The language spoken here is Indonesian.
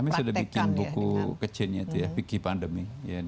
kami sudah bikin buku kecilnya itu ya pikipandemi